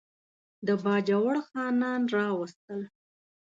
د باجوړ خانان راوستل.